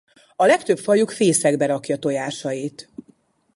A legtöbb fajuk fészekbe rakja tojásait.